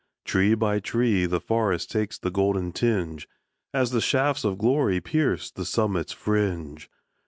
Tree by tree the forest Takes the golden tinge, As the shafts of glory Pierce the summit's fringe.